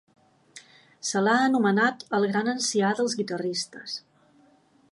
Se l'ha anomenat el "gran ancià dels guitarristes".